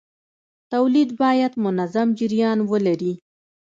تولید باید منظم جریان ولري.